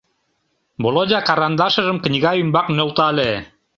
Володя карандашыжым книга ӱмбак нӧлтале.